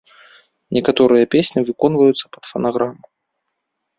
Некаторыя песні выконваюцца пад фанаграму.